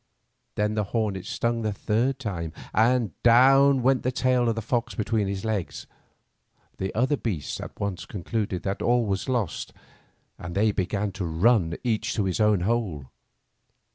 Then the hornet stung the third time, and down went the tail of the fox between his legs. The other beasts at once concluded that all was lost, and they began to run each to its own hole.